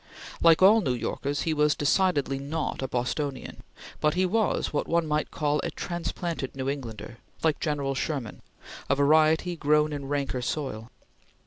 Like all New Yorkers he was decidedly not a Bostonian; but he was what one might call a transplanted New Englander, like General Sherman; a variety, grown in ranker soil.